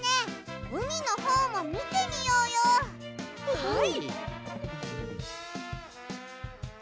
はい！